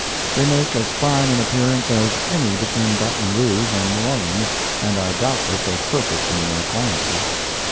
They make as fine an appearance as any between Baton Rouge and New Orleans and are doubtless as perfect in their appliances.